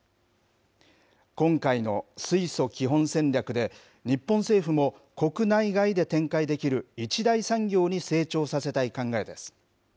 今回の水素基本戦略で、日本政府も国内外で展開できる一大産業に成長させたい考えです。